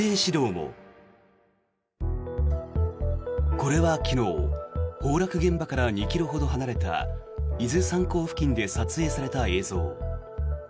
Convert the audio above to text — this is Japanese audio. これは昨日崩落現場から２ｋｍほど離れた伊豆山港付近で撮影された映像。